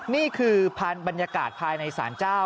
นี่คือบรรยากาศภายในสารเจ้า